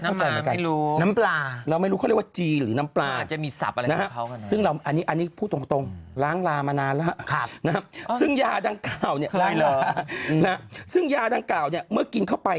เข้าใจมากันไงไม่รู้น้ำปลาเราไม่รู้เขาเรียกว่าจีหรือน้ำปลา